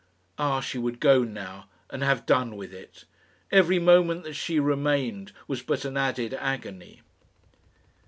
Ah! she would go now and have done with it. Every moment that she remained was but an added agony.